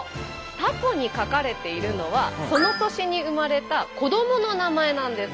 たこに書かれているのはその年に生まれた子どもの名前なんです。